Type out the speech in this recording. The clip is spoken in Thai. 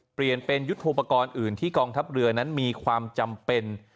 เปลี่ยนเป็นยุทธโปรกรณ์อื่นที่กองทัพเรือนั้นมีความจำเป็น